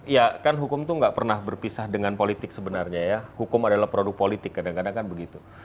ya kan hukum itu nggak pernah berpisah dengan politik sebenarnya ya hukum adalah produk politik kadang kadang kan begitu